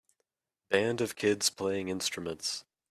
Band of kids playing instruments.